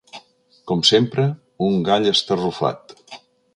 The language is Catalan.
Com sempre, un gall estarrufat.